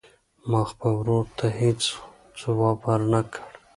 ما خپل ورور ته هېڅ ځواب ورنه کړ.